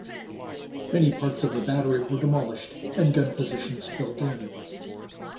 Many parts of the battery were demolished and gun positions filled in.